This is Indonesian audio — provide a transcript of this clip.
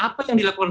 apa yang dilakukan